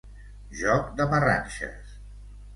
Joc de marranxes.